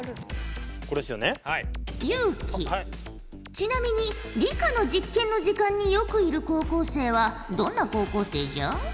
ちなみに理科の実験の時間によくいる高校生はどんな高校生じゃ？